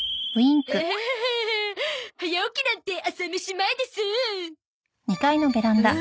アハハ早起きなんて朝飯前ですう。